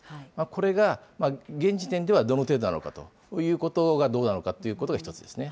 これが現時点ではどの程度なのかということがどうなのかということが１つですね。